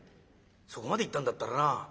そこまで行ったんだったらな